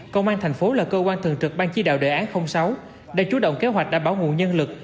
công an tp hcm là cơ quan thường trực ban chỉ đạo đề án sáu đã chú động kế hoạch đảm bảo ngụ nhân lực